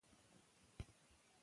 که جنراتور وي نو برق نه ځي.